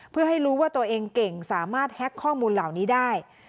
เพื่อให้รู้ว่าตัวเองเก่งสามารถแฮ็กข้อมูลเหล่านี้ได้